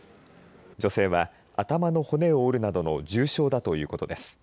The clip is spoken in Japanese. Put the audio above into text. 女性は頭の骨を折るなどの重傷だということです。